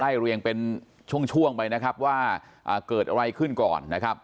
เรียงเป็นช่วงช่วงไปนะครับว่าเกิดอะไรขึ้นก่อนนะครับ